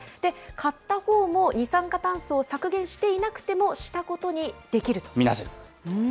買ったほうも二酸化炭素を削減していなくても、したことにできる見なせる。